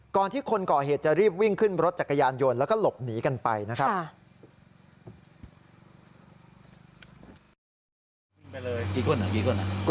ที่คนก่อเหตุจะรีบวิ่งขึ้นรถจักรยานยนต์แล้วก็หลบหนีกันไปนะครับ